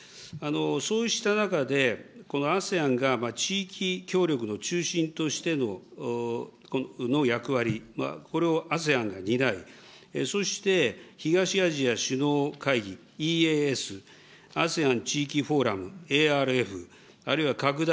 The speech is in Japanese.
そうした中で、このＡＳＥＡＮが地域協力の中心としての役割は、これをＡＳＥＡＮが担い、そして東アジア首脳会議・ＥＡＳ、ＡＳＥＡＮ地域フォーラム・ＡＲＦ、あるいは拡大